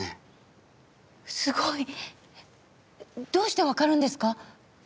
すごい。どうして分かるんですか？